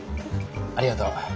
ありがとう。